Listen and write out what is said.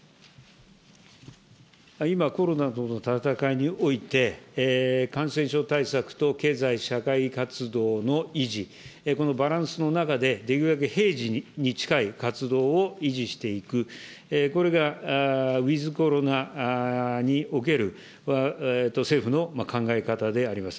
今、コロナとの闘いにおいて、感染症対策と経済社会活動の維持、このバランスの中で、できるだけ平時に近い活動を維持していく、これがウィズコロナにおける政府の考え方であります。